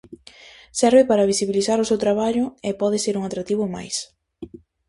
Serve para visibilizar o seu traballo e pode ser un atractivo máis.